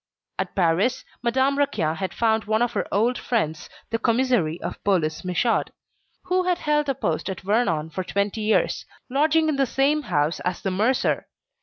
At Paris Madame Raquin had found one of her old friends, the commissary of police Michaud, who had held a post at Vernon for twenty years, lodging in the same house as the mercer.